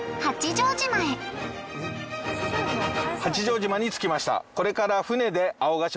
八丈島へ八丈島に着きましたこれから。